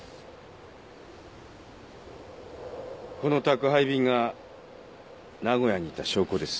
この宅配便が名古屋にいた証拠です。